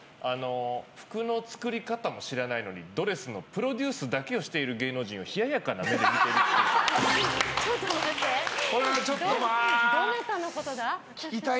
服の作り方も知らないのにドレスのプロデュースだけをしている芸能人を冷ややかな目で見てるっぽい。